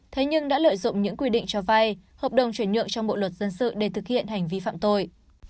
thế nhưng đã lợi dụng những quy định cho vay hợp đồng chuyển nhượng trong bộ luật dân sự để thực hiện hành vi phạm tội